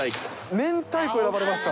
明太子選ばれました。